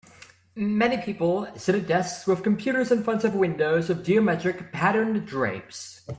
Many people sit at desks with computers in front of windows with geometric patterned drapes